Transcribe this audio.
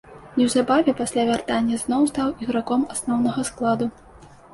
Неўзабаве пасля вяртання зноў стаў іграком асноўнага складу.